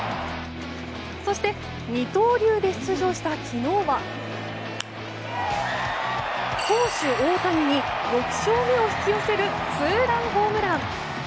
そして、二刀流で出場した昨日は投手・大谷に６勝目を引き寄せるツーランホームラン！